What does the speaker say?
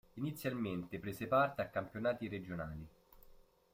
Inizialmente prese parte a campionati regionali.